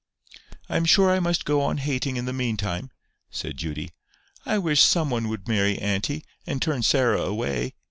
"I am afraid I must go on hating in the meantime," said Judy. "I wish some one would marry auntie, and turn Sarah away.